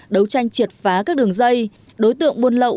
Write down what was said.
đấu tranh triệt phá các đường dây đối tượng buôn lậu